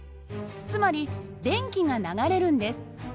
つまり電気が流れるんです。